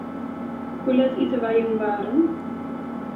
Hoe let ite wy jûn waarm?